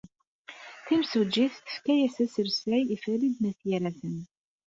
Timsujjit tefka-as asersay i Farid n At Yiraten.